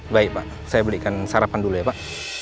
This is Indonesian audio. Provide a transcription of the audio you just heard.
baik pak saya belikan sarapan dulu ya pak